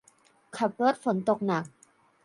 ขับรถฝนตกหนัก